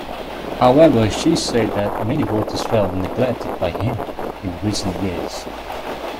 However, she said that many voters felt neglected by him in recent years.